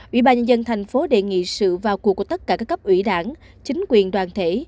ủy ban nhân dân thành phố đề nghị sự vào cuộc của tất cả các cấp ủy đảng chính quyền đoàn thể